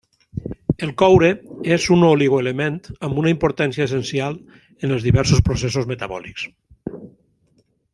El coure és un oligoelement amb una importància essencial en els diversos processos metabòlics.